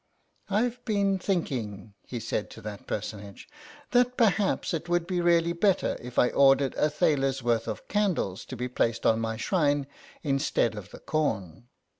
"IVe been thinking," he said to that personage, " that perhaps it would be really better if I ordered a thaler's worth of candles to be placed on my shrine instead of the corn."